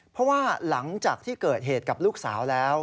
เพราะว่าหลังจากที่เกิดเหตุกับลูกสาวแล้ว